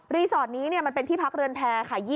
สอดนี้มันเป็นที่พักเรือนแพร่ค่ะ